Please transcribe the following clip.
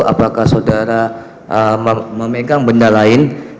apakah saudara memegang benda lain